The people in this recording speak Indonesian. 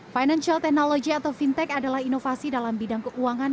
financial technology atau fintech adalah inovasi dalam bidang keuangan